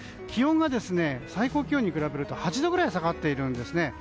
気温が最高気温に比べると８度くらい下がっているんですね。